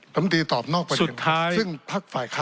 เชิญนั่งครับ